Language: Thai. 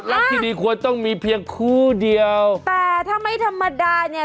รักที่ดีควรต้องมีเพียงคู่เดียวแต่ถ้าไม่ธรรมดาเนี่ย